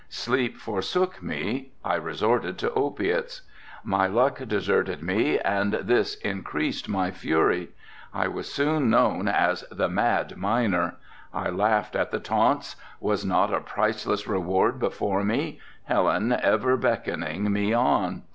Sleep forsook me. I resorted to opiates. My luck deserted me and this increased my fury. I was soon known as the mad miner. I laughed at the taunts. Was not a priceless reward before me? Helen ever beckoning me on.